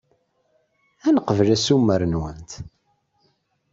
Ad neqbel assumer-nwent.